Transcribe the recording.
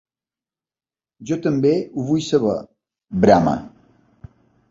Jo també ho vull saber! —brama.